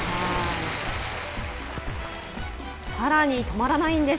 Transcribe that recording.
さらに止まらないんです。